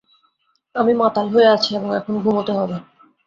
আমি মাতাল হয়ে আছি এবং এখন ঘুমোতে হবে।